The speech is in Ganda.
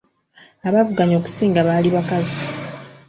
Abaavuganya okusinga baali bakazi.